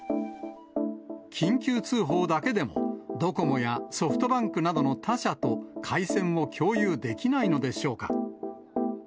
緊急通報だけでも、ドコモやソフトバンクなどの他社と回線を共有できないのでしょうか。